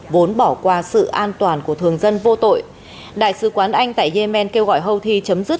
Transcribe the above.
vốn bỏ qua sự an toàn của thường dân vô tội đại sứ quán anh tại yemen kêu gọi houthi chấm dứt